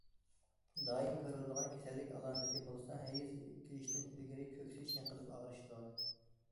دائىم كۆرۈلىدىغان كېسەللىك ئالامىتى بولسا، ھەيز كېلىشتىن ئىلگىرى كۆكسى چىڭقىلىپ ئاغرىشتۇر.